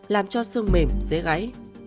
làm cho xương mềm dễ gãy